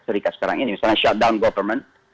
serikat sekarang ini misalnya shutdown government